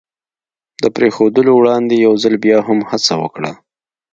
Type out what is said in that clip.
د پرېښودلو وړاندې یو ځل بیا هم هڅه وکړه.